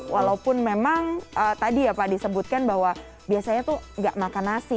walaupun memang tadi ya pak disebutkan bahwa biasanya tuh nggak makan nasi